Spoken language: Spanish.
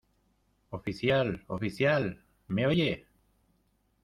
¡ oficial! ¡ oficial !¿ me oye?